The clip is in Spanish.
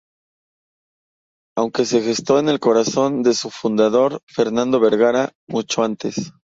Aunque se gestó en el corazón de su fundador, Fernando Vergara, mucho antes.